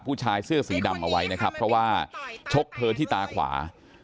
ผู้ชายเสื้อสีดำเอาไว้นะครับเพราะว่าชกเธอที่ตาขวา